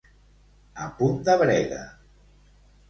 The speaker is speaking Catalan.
A punt de brega.